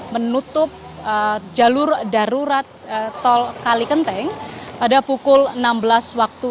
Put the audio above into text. menutup jalur darurat tol kalikenteng pada pukul enam belas waktu